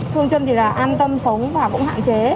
thương chân thì là an tâm sống và cũng hạn chế